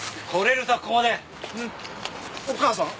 お母さん？